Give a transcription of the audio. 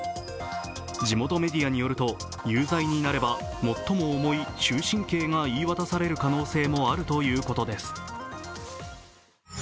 地元メディアによると有罪になれば最も重い終身刑が言い渡される可能性もあるということです。